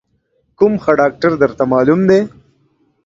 کوم ښه ډاکتر درته معلوم دی؟